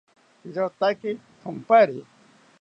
Irotaki thonpari